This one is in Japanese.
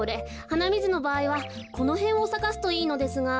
はなみずのばあいはこのへんをさかすといいのですが。